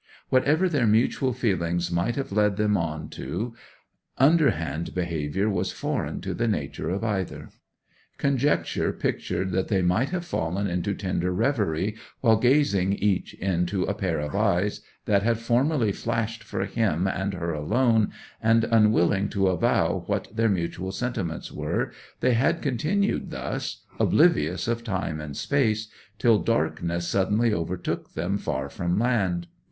Whatever their mutual feelings might have led them on to, underhand behaviour was foreign to the nature of either. Conjecture pictured that they might have fallen into tender reverie while gazing each into a pair of eyes that had formerly flashed for him and her alone, and, unwilling to avow what their mutual sentiments were, they had continued thus, oblivious of time and space, till darkness suddenly overtook them far from land.